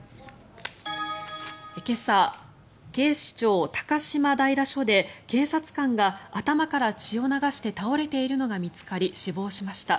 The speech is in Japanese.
今朝、警視庁高島平署で警察官が頭から血を流して倒れているのが見つかり死亡しました。